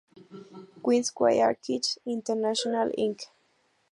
Queen’s Quay Architects International Inc.